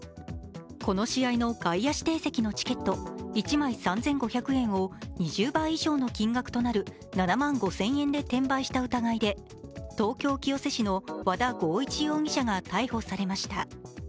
この試合の外野指定席のチケット、１枚３５００円を２０倍以上の金額となる７万５０００円で転売した疑いで東京・清瀬市の和田剛一容疑者が逮捕されました。